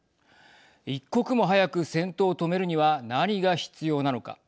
一刻も早く戦闘を止めるには何が必要なのか。